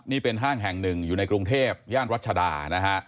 นี่เป็นห้างแห่งหนึ่งอยู่ในกรุงเทพย่านรัชดานะฮะ